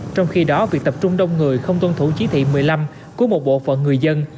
trong khi đó việc tập trung đông người không tuân thủ chỉ thị một mươi năm của một bộ phận người dân